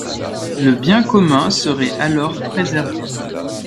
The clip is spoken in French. Le bien commun serait alors préservé.